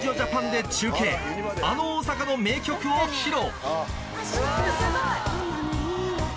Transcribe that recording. あの大阪の名曲を披露